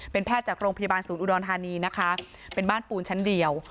แพทย์จากโรงพยาบาลศูนย์อุดรธานีนะคะเป็นบ้านปูนชั้นเดียว